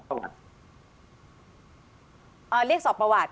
เรียกสอบประวัติ